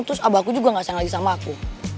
terus abah aku juga ga sayang lagi sama aku